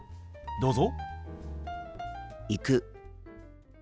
どうぞ。